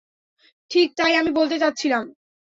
ঠিক তাই আমি বলতে চাচ্ছিলাম।